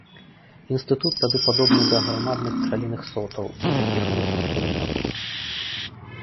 Інстытут тады падобны да аграмадных пчаліных сотаў, з якіх высмакталі мёд.